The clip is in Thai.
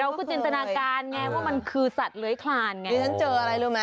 มันมีการไงว่ามันคือสัตว์เร้ยขลานไง